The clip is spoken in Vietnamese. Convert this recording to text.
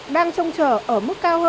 đang trông chờ ở mức cao hơn